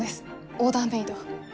オーダーメード。